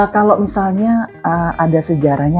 kalau misalnya ada sejarahnya